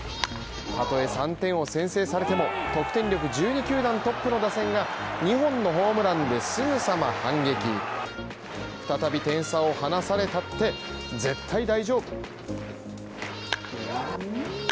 ３点を先制されても得点力１２球団トップの打線が２本のホームランですぐさま反撃再び点差を離されたって絶対大丈夫。